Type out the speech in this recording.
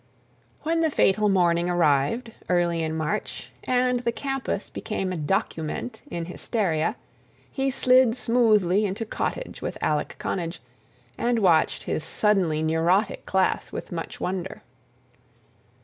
When the fatal morning arrived, early in March, and the campus became a document in hysteria, he slid smoothly into Cottage with Alec Connage and watched his suddenly neurotic class with much wonder.